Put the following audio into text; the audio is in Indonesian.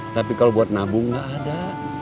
tapi kalau buat nabung nggak ada